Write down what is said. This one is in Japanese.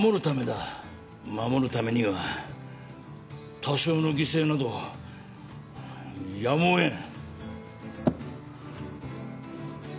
守るためには多少の犠牲などやむを得ん。